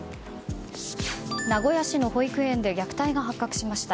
名古屋市の保育園で虐待が発覚しました。